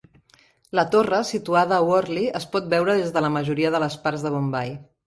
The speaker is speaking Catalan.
La torre, situada a Worli, es pot veure des de la majoria de les parts de Bombai.